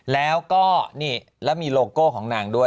แล้วก็นี่แล้วมีโลโก้ของนางด้วย